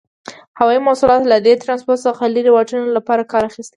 هوایي مواصلات له دې ترانسپورت څخه لري واټنونو لپاره کار اخیستل کیږي.